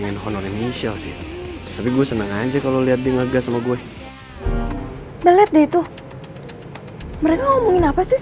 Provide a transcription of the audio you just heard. engga engga engga udah gini